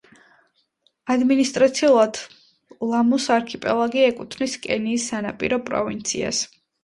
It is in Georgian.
ადმინისტრაციულად ლამუს არქიპელაგი ეკუთვნის კენიის სანაპირო პროვინციას.